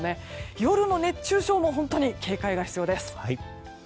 夜の熱中症も本当に警戒が必要です。